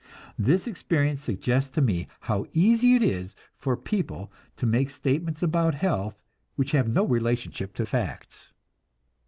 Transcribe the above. This experience suggests to me how easy it is for people to make statements about health which have no relationship to facts.